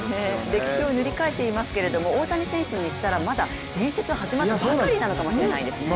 歴史を塗り替えていますけども大谷選手にしたら、まだ伝説は始まったばかりなのかもしれないですね。